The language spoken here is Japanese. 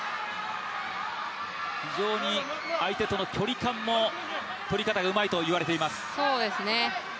相手との距離感も取り方がうまいと言われています。